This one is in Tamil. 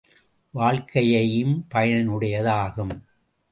வாழ்க்கையும் பயனுடைய தாகும்.